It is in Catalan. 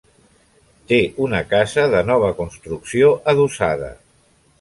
Té una casa de nova construcció adossada.